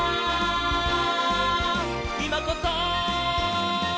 「いまこそ！」